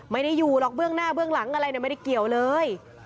ไม่ได้อยู่หรอกเบื้องหน้าเบื้องหลังอะไรไม่ได้เกี่ยวเลย